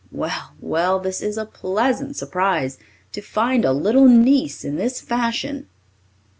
Well, well, this is a pleasant surprise, to find a little niece in this fashion!"